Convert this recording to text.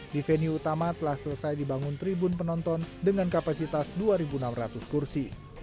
di venue utama telah selesai dibangun tribun penonton dengan kapasitas dua enam ratus kursi